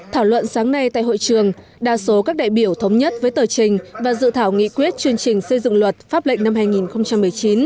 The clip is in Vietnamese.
thảo luận sáng nay tại hội trường đa số các đại biểu thống nhất với tờ trình và dự thảo nghị quyết chương trình xây dựng luật pháp lệnh năm hai nghìn một mươi chín